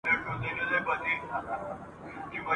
انټرنیټ د اړیکو نړۍ ده.